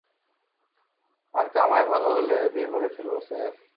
আর কামাই ভালো হলে, বিয়ে করে ফেলবো, স্যার।